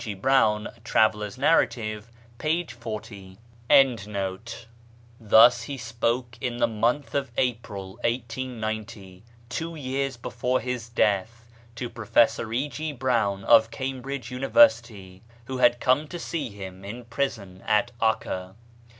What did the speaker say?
G. Browne, A Traveller's Narrative^ 40. UNIVERSAL PEACE 121 Thus he spoke in the month of April 1890, two years before his death, to Professor E. G. Browne of Cambridge University, who had come to see him in prison at *Akka.